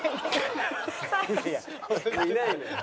いやいやいないのよ。